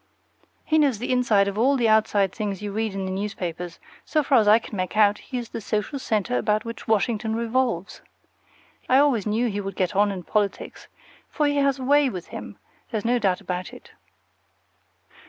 He knows the inside of all the outside things you read in the newspapers; so far as I can make out, he is the social center about which Washington revolves. I always knew he would get on in politics, for he has a way with him; there's no doubt about it.